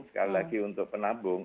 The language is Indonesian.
sekali lagi untuk penabung